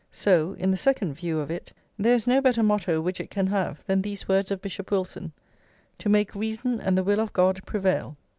so, in the second view of it, there is no better motto which it can have than these words of Bishop Wilson: "To make reason and the will of God prevail!"